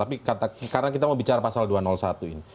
tapi karena kita mau bicara pasal dua ratus satu ini